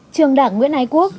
trường đảng nguyễn ái quốc